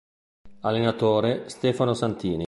Allenatore: Stefano Santini.